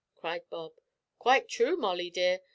cried Bob. "Quite true, Molly, my dear.